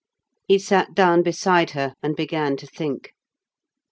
He sat down beside her and began to think.